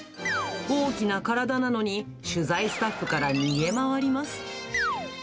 大きな体なのに、取材スタッフから逃げ回ります。